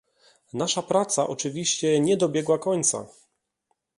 Nasza praca oczywiście nie dobiegła końca